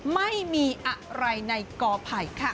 ไม่มีอะไรในกอไผ่ค่ะ